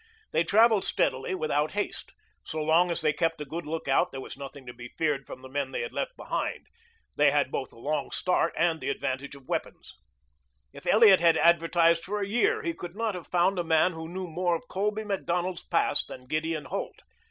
They traveled steadily without haste. So long as they kept a good lookout there was nothing to be feared from the men they had left behind. They had both a long start and the advantage of weapons. If Elliot had advertised for a year he could not have found a man who knew more of Colby Macdonald's past than Gideon Holt.